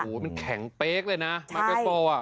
โอ้โหมันแข็งเป๊กเลยนะไมเกโซโฟลอ่ะ